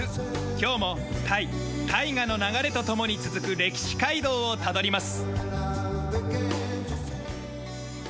今日もタイ大河の流れと共に続く歴史街道をたどります。